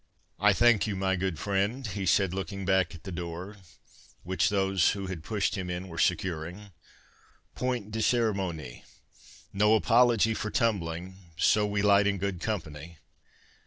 "I thank you, my good friend," he said, looking back to the door, which they who had pushed him in were securing—"Point de cérémonie—no apology for tumbling, so we light in good company.